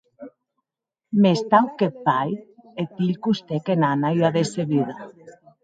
Mès, tau qu'eth pair, eth hilh costèc en Anna ua decebuda.